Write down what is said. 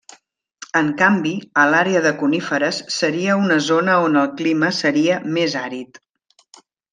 En canvi, a l’àrea de coníferes seria una zona on el clima seria més àrid.